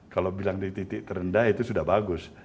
kalau bilang di titik terendah itu sudah bagus